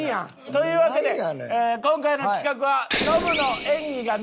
というわけで今回の企画は。